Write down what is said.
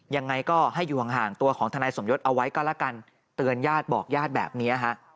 ยังไงก็ให้อยู่ห่างตัวของทนายสมยศเอาไว้ก็แล้วกันเตือนญาติบอกญาติแบบนี้ฮะ